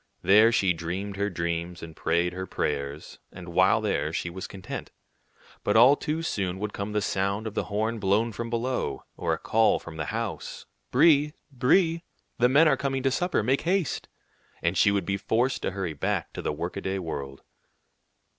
There she dreamed her dreams and prayed her prayers, and while there she was content. But all too soon would come the sound of the horn blown from below, or a call from the house, "Brie, Brie, the men are coming to supper; make haste!" and she would be forced to hurry back to the workaday world.